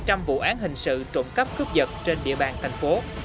các vụ án hình sự trộm cắp cướp vật trên địa bàn thành phố